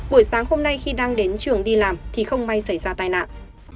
buổi sáng hôm nay khi đang đến trường đi làm thì không may xảy ra tai nạn